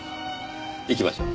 行きましょう。